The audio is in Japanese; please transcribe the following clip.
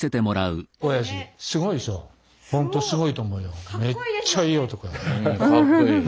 かっこいい。